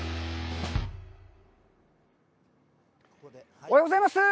おはようございます。